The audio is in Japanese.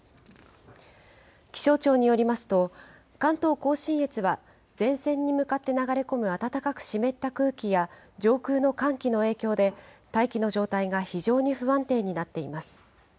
気象庁によりますと、関東甲信越は、前線に向かって流れ込む暖かく湿った空気や上空の寒気の影響で、大気の状態が非常に不安定になっています。